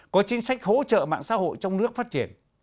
có chính sách hỗ trợ mạng xã hội trong nước phát triển